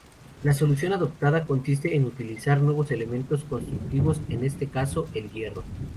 La solución adoptada consiste en utilizar nuevos elementos constructivos, en este caso el hierro.